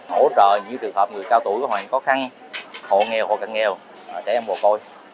hỗ trợ những trường hợp người cao tuổi có hoàn cảnh khó khăn hộ nghèo hộ cận nghèo trẻ em bồ côi